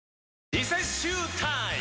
リセッシュータイム！